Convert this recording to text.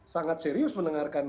sangat serius mendengarkan